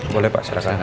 boleh pak silakan